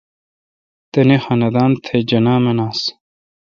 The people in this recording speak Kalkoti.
تانی خاندان تھ جناح مناس۔